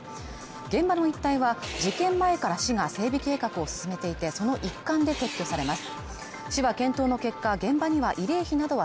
現場の一帯は事件前から市が整備計画を進めていてその一環で撤去されます